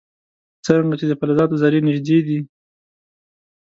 څرنګه چې د فلزاتو ذرې نژدې دي.